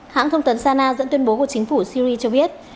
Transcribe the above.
hãng thông tấn sana dẫn tuyên bố của chính phủ syri cho biết